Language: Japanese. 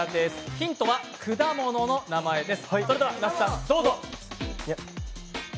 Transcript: ヒントは果物の名前です。